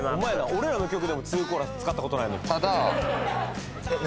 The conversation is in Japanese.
俺らの曲でも２コーラス使ったことないのにただえっ何？